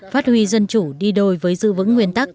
phát huy dân chủ đi đôi với dư vững nguyên tắc